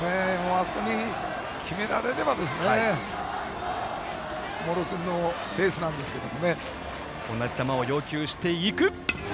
あそこに決められれば茂呂君のペースなんですけど。